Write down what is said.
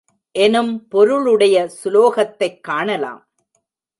எனும் பொருளுடைய சுலோகத்தைக் காணலாம்.